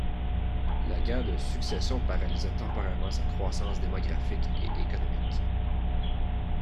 La Guerre de Succession paralysa temporairement sa croissance démographique et économique.